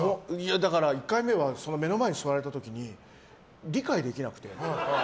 だから１回目目の前に座られた時に理解できなくて。